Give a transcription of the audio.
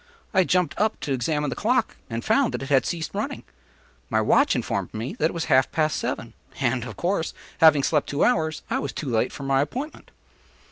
I jumped up to examine the clock, and found that it had ceased running. My watch informed me that it was half past seven; and, of course, having slept two hours, I was too late for my appointment.